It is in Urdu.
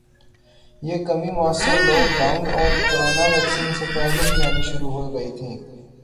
یہ کمی موثر لوک ڈاون اور کورونا ویکسین سے پہلے ہی آنی شروع ہو گئی تھی